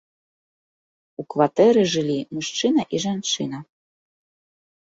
У кватэры жылі мужчына і жанчына.